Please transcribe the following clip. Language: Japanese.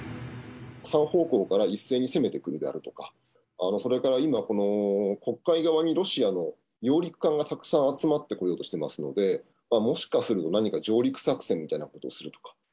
３方向から一斉に攻めてくるであるとか、それから今、この黒海側にロシアの揚陸艦がたくさん集まってこようとしてますので、もしかすると何か上陸作戦みたいなことをするとか。